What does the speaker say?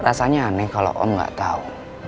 rasanya aneh kalau om nggak tahu